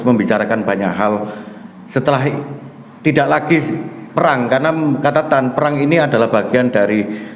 membicarakan banyak hal setelah tidak lagi perang karena katatan perang ini adalah bagian dari